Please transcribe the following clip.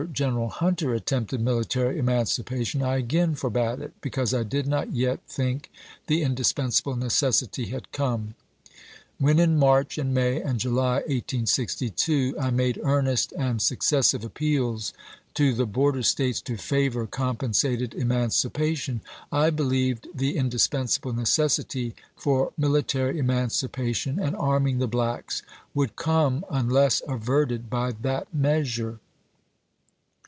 General Hunter attempted military emancipation, I again forbade it, because I did not yet think the indispensable necessity had come. When in March and May and July, 1862, I made earnest and suc cessive appeals to the border States to favor compensated emancipation, I believed the indispensable necessity for military emancipation and arming the blacks would come unless averted by that measure.